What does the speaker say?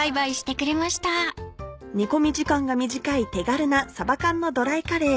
煮込み時間が短い手軽な「さば缶のドライカレー」